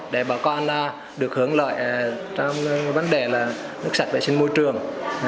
để bà con được hưởng lợi trong vấn đề nước sạch vệ sinh môi trường